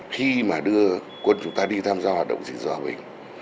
khi mà đưa quân chúng ta đi tham gia hoạt động gìn giò bình